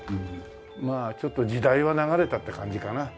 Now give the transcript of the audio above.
まあちょっと時代は流れたって感じかな。